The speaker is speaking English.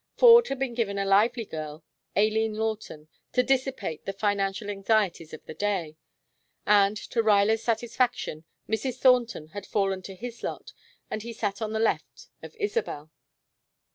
Ford had been given a lively girl, Aileen Lawton, to dissipate the financial anxieties of the day, and, to Ruyler's satisfaction, Mrs. Thornton had fallen to his lot and he sat on the left of Isabel.